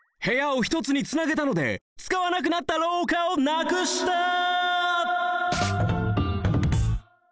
部屋をひとつにつなげたのでつかわなくなったろうかをなくした！